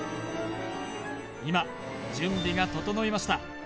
今準備が整いました